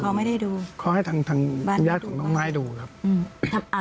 เขาไม่ได้ดูเขาให้ทางทางคุณญาติของน้องน้ายดูครับอ่า